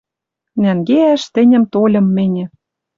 «Нӓнгеӓш тӹньӹм тольым мӹньӹ.